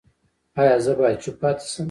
ایا زه باید چوپ پاتې شم؟